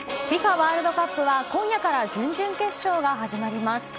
ワールドカップは今夜から準々決勝が始まります。